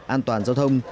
an toàn giao thông